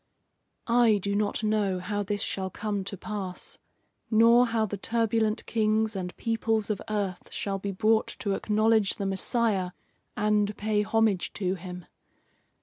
"I do not know how this shall come to pass, nor how the turbulent kings and peoples of earth shall be brought to acknowledge the Messiah and pay homage to him.